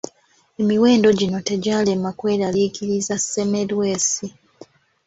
Emiwendo gino tegyalema kweraliikiriza Semmelwesi.